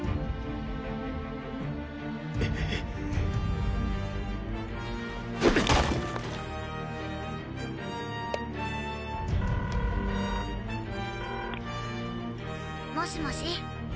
っ！もしもし？